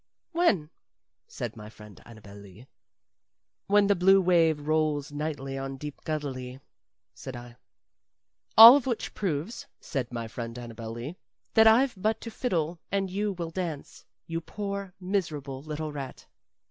"When?" said my friend Annabel Lee. "When the blue wave rolls nightly on deep Galilee," said I. "All of which proves," said my friend Annabel Lee, "that I've but to fiddle and you will dance, you poor, miserable, little rat.